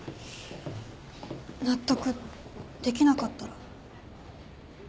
納得できなかったら。